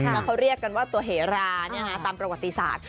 แล้วเขาเรียกกันว่าตัวเหราตามประวัติศาสตร์